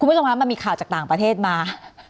คุณผู้ชมคะมันมีข่าวจากต่างประเทศมา